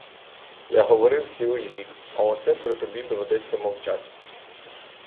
Я говорив цілий вік, а оце при тобі доведеться мовчать!